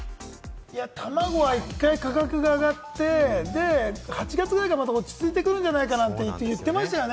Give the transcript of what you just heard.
たまごは一回価格が上がって、８月くらいから落ち着いてくるんじゃないかなと言っていましたよね。